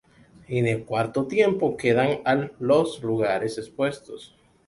En el cuarto tiempo quedan al los lugares opuestos.